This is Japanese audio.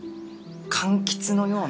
柑橘のような。